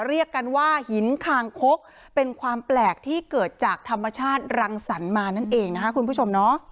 เรียกกันว่าหินคางคกเป็นความแปลกที่เกิดจากธรรมชาติรังสรรค์มานั่นเองนะคะคุณผู้ชมเนาะ